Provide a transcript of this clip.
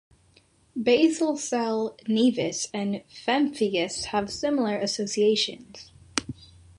Basal-cell nevus and pemphigus have similar associations.